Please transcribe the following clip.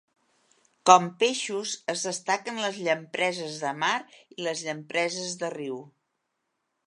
Com peixos es destaquen les llampreses de mar, i les llampreses de riu.